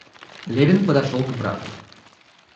Левин подошел к брату.